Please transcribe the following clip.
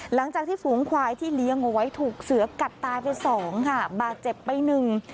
หลังจากที่ฝูงควายที่เลี้ยงเอาไว้ถูกเสือกัดตายไปสองค่ะบาดเจ็บไปหนึ่ง